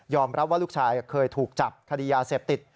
รับว่าลูกชายเคยถูกจับคดียาเสพติด